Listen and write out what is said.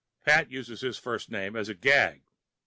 Pat uses his first name as a gag.